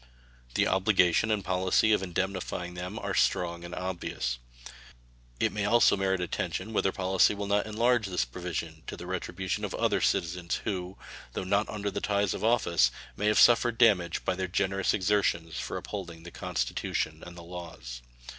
The obligation and policy of indemnifying them are strong and obvious. It may also merit attention whether policy will not enlarge this provision to the retribution of other citizens who, though not under the ties of office, may have suffered damage by their generous exertions for upholding the Constitution and the laws.